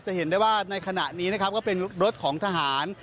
เห็นได้ว่าในขณะนี้นะครับก็เป็นรถของทหาร